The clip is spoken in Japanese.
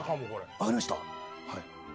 わかりました？